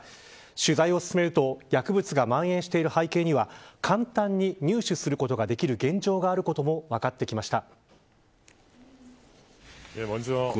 取材を進めると薬物がまん延している背景には簡単に入手することができる現状があることも分かってきました。